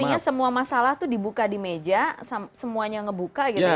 artinya semua masalah itu dibuka di meja semuanya ngebuka gitu ya